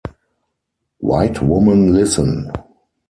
White Woman Listen!